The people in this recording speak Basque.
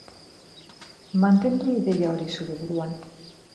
Mantendu ideia hori zure buruan.